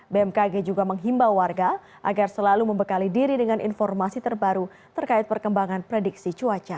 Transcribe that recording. bmkg juga menghimbau warga agar selalu membekali diri dengan informasi terbaru terkait perkembangan prediksi cuaca